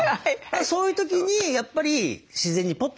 そういう時にやっぱり自然にポッと出てひとりで。